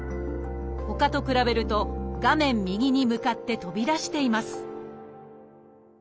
ほかと比べると画面右に向かって飛び出しています